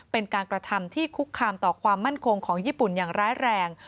เป็นการกระทำที่คุกคามต่อความมั่นคงของญี่ปุ่นอย่างร้ายแรง